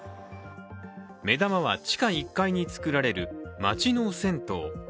目玉は地下１階に作られる街の銭湯。